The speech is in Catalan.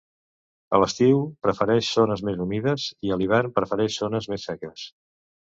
A l'estiu prefereix zones més humides i a l'hivern prefereix zones més seques.